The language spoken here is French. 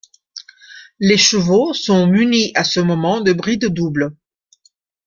Les chevaux sont munis à ce moment de bride double.